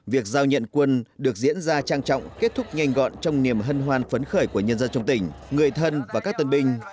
việc giao nhận quân được diễn ra trang trọng kết thúc nhanh gọn trong niềm hân hoan phấn khởi của nhân dân trong tỉnh người thân và các tân binh